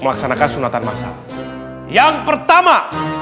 melaksanakan sunatan masal yang pertama